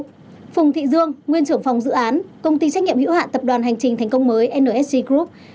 phùng thị dương nguyên trưởng phòng dự án công ty trách nhiệm hữu hạn tập đoàn hành trình thành công mới nsg group